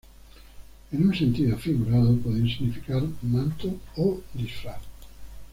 En un sentido figurado, puede significar manto o disfraz.